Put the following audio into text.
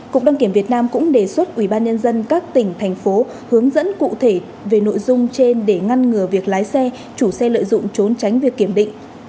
cục đăng kiểm việt nam cũng đề xuất ubnd các tỉnh thành phố hướng dẫn cụ thể về nội dung trên để ngăn ngừa việc lái xe chủ xe lợi dụng trốn tránh việc kiểm định